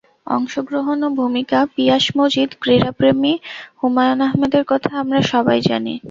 সংগ্রহ ও ভূমিকা পিয়াস মজিদ ক্রীড়াপ্রেমী হুমায়ূন আহমেদের কথা আমরা সবাই জানি।